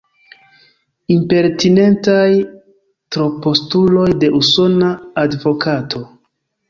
Impertinentaj tropostuloj de usona advokato.